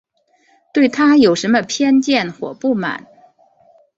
对她有什么偏见或不满